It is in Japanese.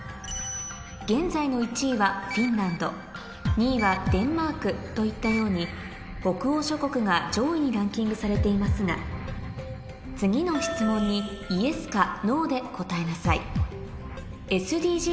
現在の１位はフィンランド２位はデンマークといったように北欧諸国が上位にランキングされていますが次の質問に前から？